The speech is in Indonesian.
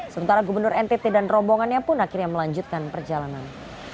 sementara gubernur ntt dan rombongannya pun akhirnya melanjutkan perjalanan